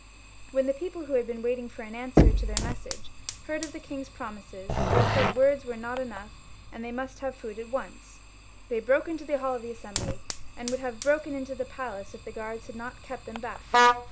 When the people who had been waiting for an answer to their message heard of the king's promises, they said words were not enough, and they must have food at once. They broke into the hall of Assembly, and would have broken into the palace if the guards had not kept them back.